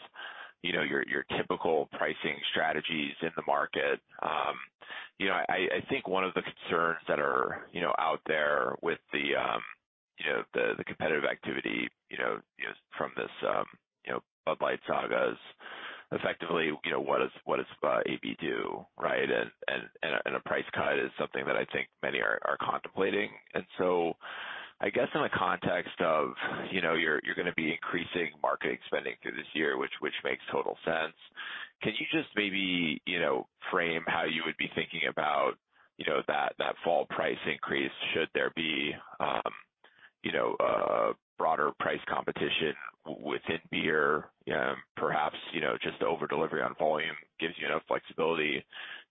you know, your typical pricing strategies in the market. You know, I think one of the concerns that are, you know, out there with the, you know, the competitive activity, you know, from this, you know, Bud Light saga is effectively, you know, what does AB do, right? A price cut is something that I think many are contemplating. I guess in the context of, you know, you're gonna be increasing marketing spending through this year, which makes total sense. Can you just maybe, you know, frame how you would be thinking about, you know, that fall price increase should there be, you know, a broader price competition within beer? Perhaps, you know, just over-delivery on volume gives you enough flexibility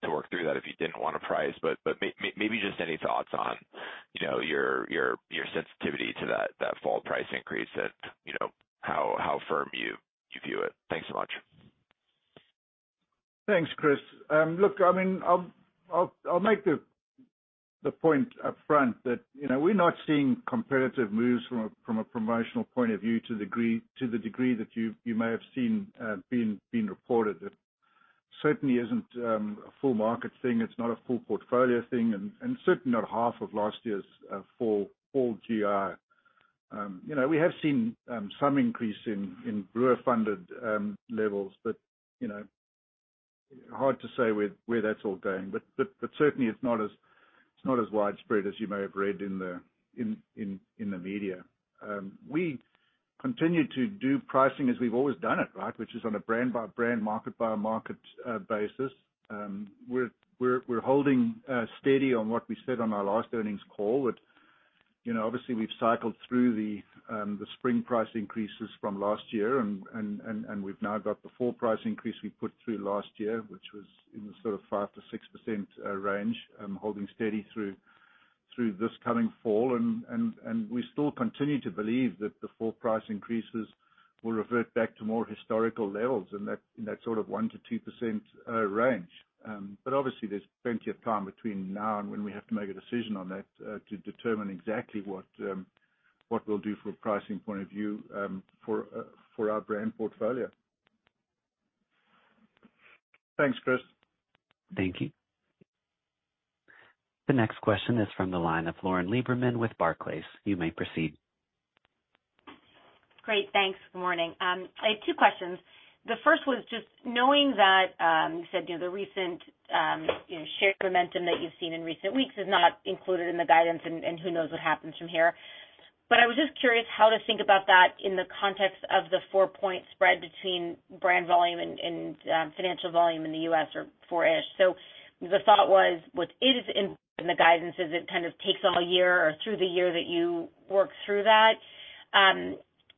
to work through that if you didn't want to price. Maybe just any thoughts on, you know, your sensitivity to that fall price increase and, you know, how firm you view it? Thanks so much. Thanks, Chris. I mean, I'll make the point up front that, you know, we're not seeing competitive moves from a promotional point of view to the degree that you may have seen being reported. It certainly isn't a full market thing. It's not a full portfolio thing, and certainly not half of last year's fall GI. You know, we have seen some increase in brewer-funded levels, you know, hard to say where that's all going. Certainly it's not as widespread as you may have read in the media. We continue to do pricing as we've always done it, right, which is on a brand-by-brand, market-by-market basis. We're holding steady on what we said on our last earnings call that, you know, obviously we've cycled through the spring price increases from last year, and we've now got the fall price increase we put through last year, which was in the sort of 5%-6% range, holding steady through this coming fall. We still continue to believe that the fall price increases will revert back to more historical levels in that sort of 1%-2% range. Obviously there's plenty of time between now and when we have to make a decision on that to determine exactly what we'll do from a pricing point of view for our brand portfolio. Thanks, Chris. Thank you. The next question is from the line of Lauren Lieberman with Barclays. You may proceed. Great, thanks. Good morning. I had 2 questions. The first was just knowing that you said, you know, the recent, you know, share momentum that you've seen in recent weeks is not included in the guidance, and who knows what happens from here. I was just curious how to think about that in the context of the 4-point spread between brand volume and financial volume in the U.S. or 4-ish. The thought was, with it is in the guidances, it kind of takes all year or through the year that you work through that.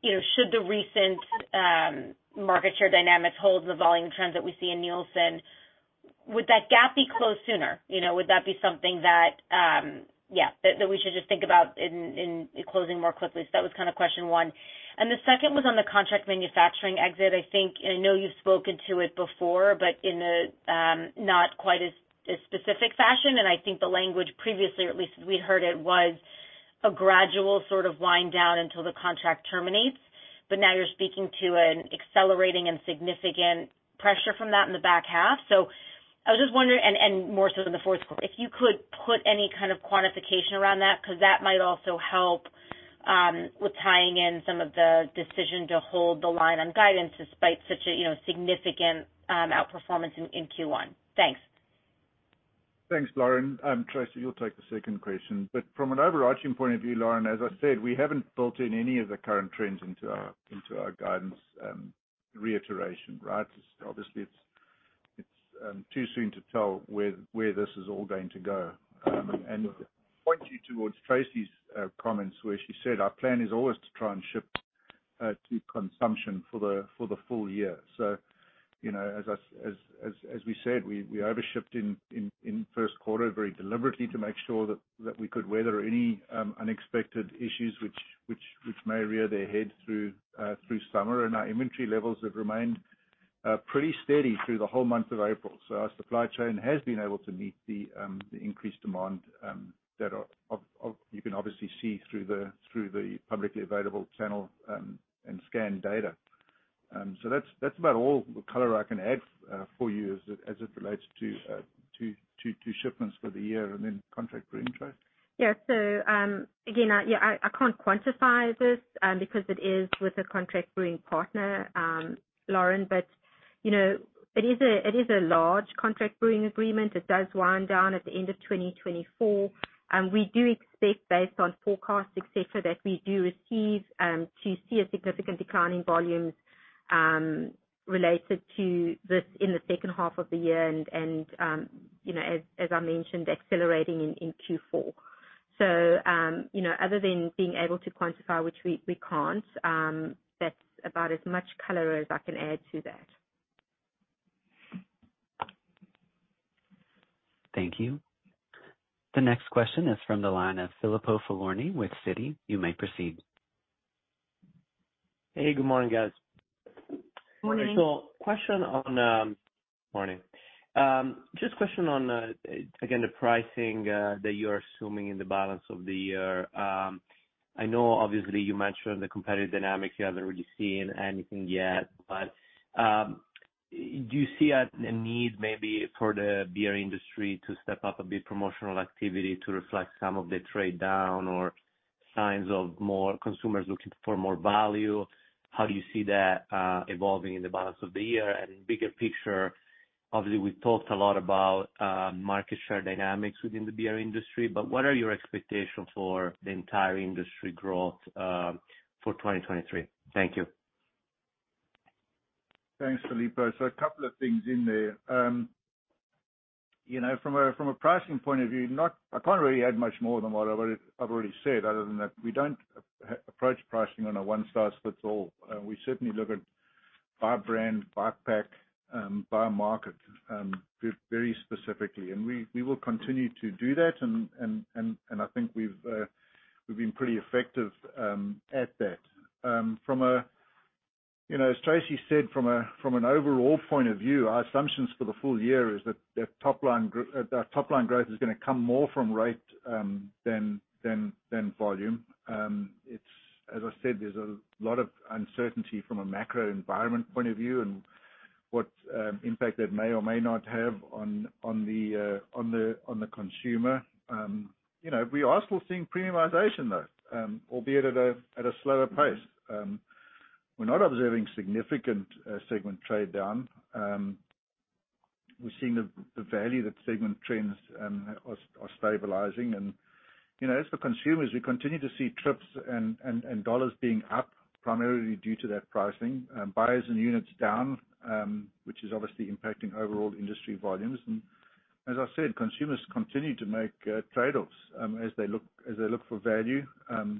You know, should the recent market share dynamics hold in the volume trends that we see in Nielsen, would that gap be closed sooner? You know, would that be something that we should just think about closing more quickly? That was kind of question one. The second was on the contract manufacturing exit. I think, and I know you've spoken to it before, but in a not quite as specific fashion, and I think the language previously, or at least as we heard it, was a gradual sort of wind down until the contract terminates. Now you're speaking to an accelerating and significant pressure from that in the back half. I was just wondering, and more so than the fourth quarter, if you could put any kind of quantification around that, 'cause that might also help with tying in some of the decision to hold the line on guidance despite such a, you know, significant outperformance in Q1. Thanks. Thanks, Lauren. Tracey, you'll take the second question. From an overarching point of view, Lauren, as I said, we haven't built in any of the current trends into our guidance reiteration, right? Obviously, it's too soon to tell where this is all going to go. And point you towards Tracey's comments where she said our plan is always to try and ship to consumption for the full year. You know, as we said, we over shipped in first quarter very deliberately to make sure that we could weather any unexpected issues which may rear their head through summer. Our inventory levels have remained pretty steady through the whole month of April. Our supply chain has been able to meet the increased demand that of. You can obviously see through the publicly available channel and scan data. That's about all the color I can add for you as it relates to shipments for the year and then contract brewing trade. Again, I can't quantify this because it is with a contract brewing partner, Lauren, you know, it is a large contract brewing agreement. It does wind down at the end of 2024. We do expect based on forecast et cetera, that we do receive, to see a significant decline in volumes related to this in the second half of the year and, you know, as I mentioned, accelerating in Q4. You know, other than being able to quantify which we can't, that's about as much color as I can add to that. Thank you. The next question is from the line of Filippo Falorni with Citi. You may proceed. Hey, good morning, guys. Morning. Morning. Morning. Just a question on again, the pricing that you're assuming in the balance of the year. I know obviously you mentioned the competitive dynamics. You haven't really seen anything yet, but do you see a need maybe for the beer industry to step up a bit promotional activity to reflect some of the trade down or signs of more consumers looking for more value? How do you see that evolving in the balance of the year? Bigger picture, obviously, we've talked a lot about market share dynamics within the beer industry, but what are your expectations for the entire industry growth for 2023? Thank you. Thanks, Filippo. A couple of things in there. You know, from a pricing point of view, I can't really add much more than what I've already said, other than that we don't approach pricing on a one size fits all. We certainly look at by brand, by pack, by market, very specifically, and we will continue to do that and I think we've been pretty effective at that. You know, as Tracey said, from an overall point of view, our assumptions for the full year is that top line growth is gonna come more from rate than volume. It's, as I said, there's a lot of uncertainty from a macro environment point of view and what impact that may or may not have on the consumer. You know, we are still seeing premiumization though, albeit at a slower pace. We're not observing significant segment trade down. We're seeing the value that segment trends are stabilizing. You know, as for consumers, we continue to see trips and dollars being up primarily due to that pricing. Buyers and units down, which is obviously impacting overall industry volumes. As I said, consumers continue to make trade-offs as they look for value,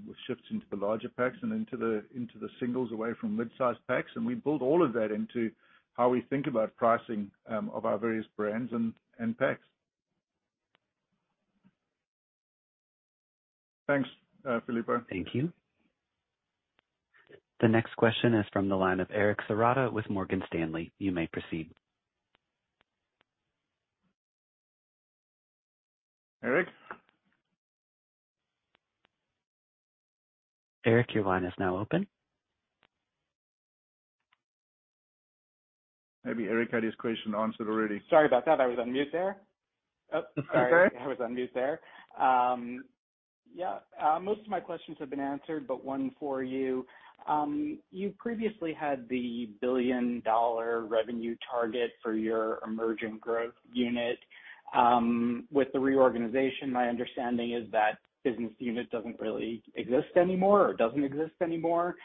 which shifts into the larger packs and into the singles away from mid-size packs. We build all of that into how we think about pricing, of our various brands and packs. Thanks, Filippo. Thank you. The next question is from the line of Eric Serotta with Morgan Stanley. You may proceed. Eric? Eric, your line is now open. Maybe Eric had his question answered already. Sorry about that. I was on mute there. sorry. Okay. I was on mute there. Yeah, most of my questions have been answered, but one for you. You previously had the billion-dollar revenue target for your Emerging Growth Unit. With the reorganization, my understanding is that business unit doesn't really exist anymore or doesn't exist anymore.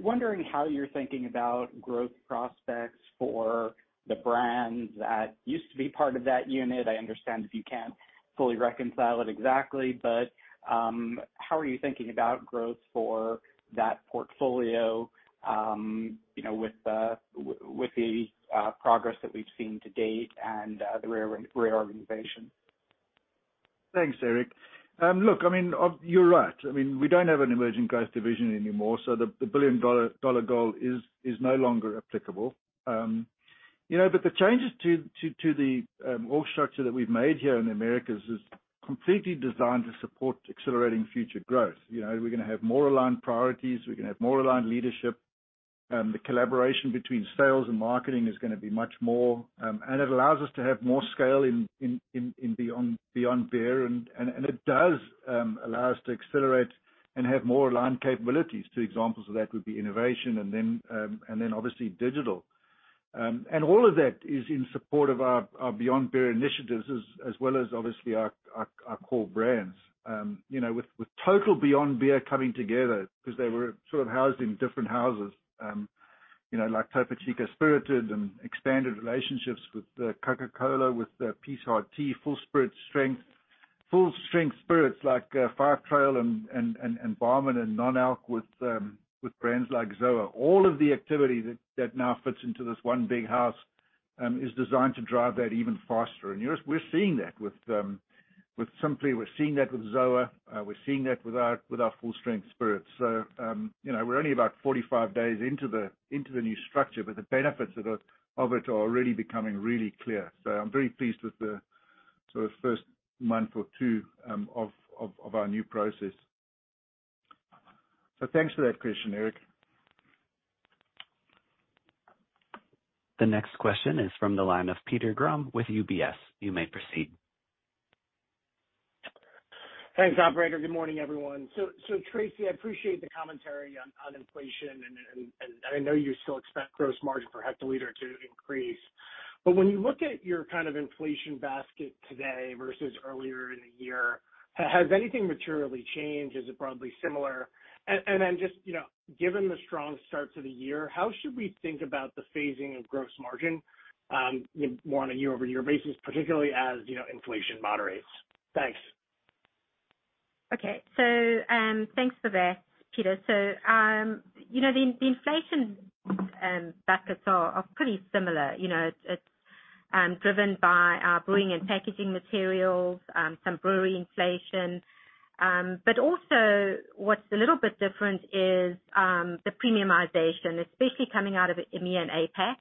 Wondering how you're thinking about growth prospects for the brands that used to be part of that unit. I understand if you can't fully reconcile it exactly, but, how are you thinking about growth for that portfolio, you know, with the progress that we've seen to date and the reorganization? Thanks, Eric. Look, I mean, you're right. I mean, we don't have an emerging growth division anymore, so the $1 billion goal is no longer applicable. You know, but the changes to the org structure that we've made here in Americas is completely designed to support accelerating future growth. You know, we're gonna have more aligned priorities, we're gonna have more aligned leadership. The collaboration between sales and marketing is gonna be much more, and it allows us to have more scale in Beyond Beer. It does allow us to accelerate and have more aligned capabilities. Two examples of that would be innovation and then, and then obviously digital. All of that is in support of our Beyond Beer initiatives as well as obviously our core brands. You know, with total Beyond Beer coming together because they were sort of housed in different houses. You know, like Topo Chico Spirited and expanded relationships with Coca-Cola, with Peace Hard Tea, full-strength spirits like Five Trail and Barmen 1873 and non-alc with brands like ZOA. All of the activity that now fits into this one big house is designed to drive that even faster. We're seeing that with Simply. We're seeing that with ZOA. We're seeing that with our full-strength spirits. You know, we're only about 45 days into the new structure, but the benefits of it are really becoming really clear. I'm very pleased with the sort of first month or two, of our new process. Thanks for that question, Eric. The next question is from the line of Peter Grom with UBS. You may proceed. Thanks, operator. Good morning, everyone. Tracey, I appreciate the commentary on inflation and I know you still expect gross margin per hectoliter to increase. When you look at your kind of inflation basket today versus earlier in the year, has anything materially changed? Is it broadly similar? And then just, you know, given the strong start to the year, how should we think about the phasing of gross margin, you know, on a year-over-year basis, particularly as, you know, inflation moderates? Thanks. Okay. Thanks for that, Peter. You know, the inflation baskets are pretty similar. You know, it's driven by our brewing and packaging materials, some brewery inflation. But also what's a little bit different is the premiumization, especially coming out of EMEA and APAC.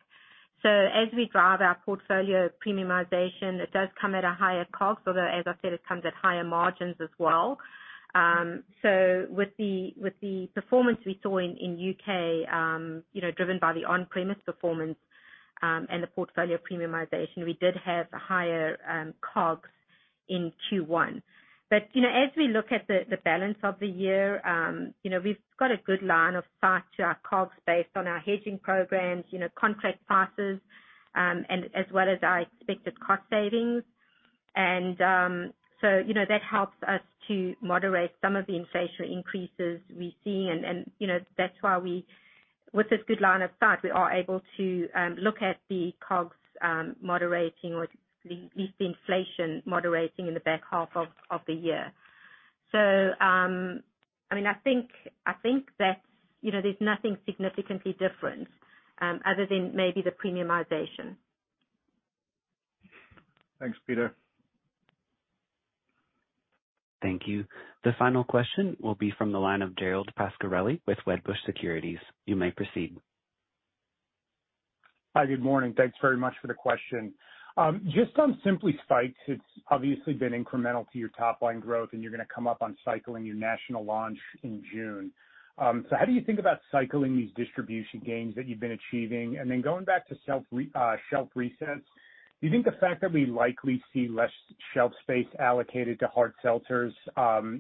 As we drive our portfolio premiumization, it does come at a higher cost, although, as I said, it comes at higher margins as well. With the performance we saw in U.K., you know, driven by the on-premise performance, and the portfolio premiumization, we did have higher COGS in Q1. You know, as we look at the balance of the year, you know, we've got a good line of sight to our COGS based on our hedging programs, you know, contract prices, and as well as our expected cost savings. You know, that helps us to moderate some of the inflation increases we're seeing. You know, that's why with this good line of sight, we are able to look at the COGS moderating or at least the inflation moderating in the back half of the year. I mean, I think that, you know, there's nothing significantly different, other than maybe the premiumization. Thanks, Peter. Thank you. The final question will be from the line of Gerald Pascarelli with Wedbush Securities. You may proceed. Hi. Good morning. Thanks very much for the question. Just on Simply Spiked, it's obviously been incremental to your top-line growth, and you're gonna come up on cycling your national launch in June. How do you think about cycling these distribution gains that you've been achieving? Then going back to shelf resets, do you think the fact that we likely see less shelf space allocated to hard seltzers,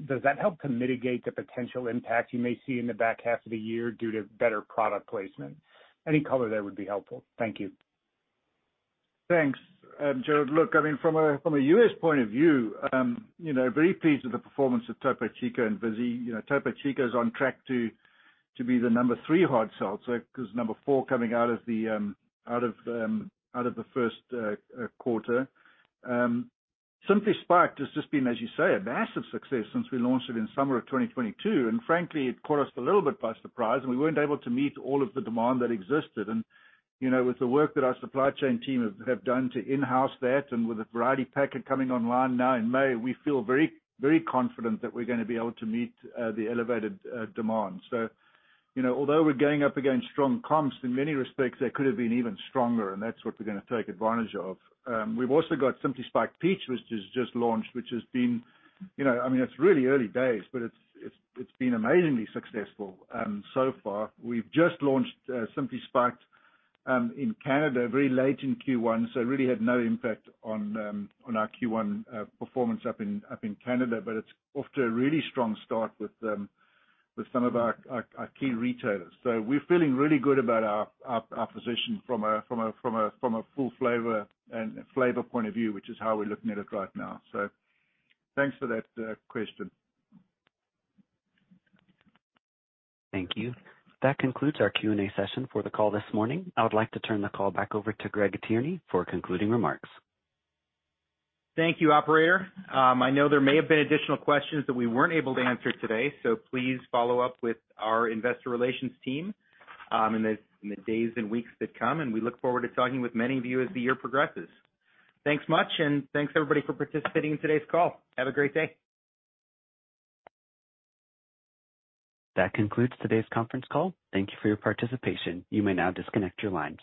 does that help to mitigate the potential impact you may see in the back half of the year due to better product placement? Any color there would be helpful. Thank you. Thanks, Gerald. I mean, from a U.S. point of view, you know, very pleased with the performance of Topo Chico and Vizzy. You know, Topo Chico is on track to be the number three hard seltzer 'cause number four coming out of the first quarter. Simply Spiked has just been, as you say, a massive success since we launched it in summer of 2022. Frankly, it caught us a little bit by surprise, and we weren't able to meet all of the demand that existed. You know, with the work that our supply chain team have done to in-house that and with the variety pack coming online now in May, we feel very, very confident that we're gonna be able to meet the elevated demand. You know, although we're going up against strong comps, in many respects, they could have been even stronger, and that's what we're gonna take advantage of. We've also got Simply Spiked Peach, which has just launched, which has been, you know, I mean, it's really early days, but it's been amazingly successful so far. We've just launched Simply Spiked in Canada very late in Q1, so it really had no impact on our Q1 performance up in Canada. It's off to a really strong start with some of our key retailers. We're feeling really good about our position from a full flavor and flavor point of view, which is how we're looking at it right now. Thanks for that question. Thank you. That concludes our Q&A session for the call this morning. I would like to turn the call back over to Greg Tierney for concluding remarks. Thank you, operator. I know there may have been additional questions that we weren't able to answer today. Please follow up with our investor relations team in the days and weeks that come. We look forward to talking with many of you as the year progresses. Thanks much, thanks everybody for participating in today's call. Have a great day. That concludes today's conference call. Thank you for your participation. You may now disconnect your line.